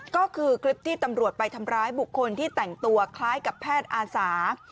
ก็คือคลิปที่ตำรวจไปทำร้ายบุคคลที่แต่งตัวคล้ายกับแพทย์อาสา